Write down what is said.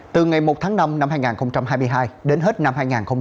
từ ngày một tháng năm năm hai nghìn hai mươi hai đến hết năm hai nghìn hai mươi bốn